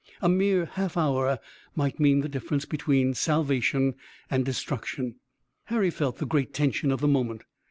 A mere half hour might mean the difference between salvation and destruction. Harry felt the great tension of the moment.